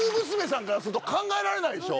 さんからすると考えられないでしょ？